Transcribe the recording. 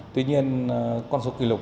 tuy nhiên con số kỷ lục